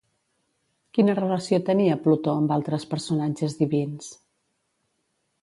Quina relació tenia Plutó amb altres personatges divins?